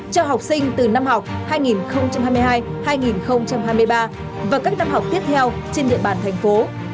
cho học sinh từ năm học hai nghìn hai mươi hai hai nghìn hai mươi ba và các năm học tiếp theo trên địa bàn thành phố